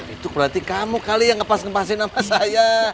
itu berarti kamu kali yang ngepas ngepasin sama saya